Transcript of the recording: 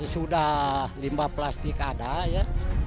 sudah limbah plastik ada ya